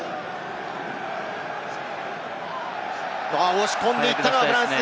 押し込んでいったのはフランス。